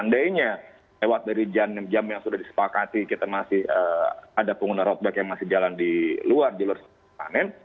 mungkin ya lewat dari jam enam jam yang sudah disepakati kita masih ada pengguna road bike yang masih jalan di luar jalur sepeda permanen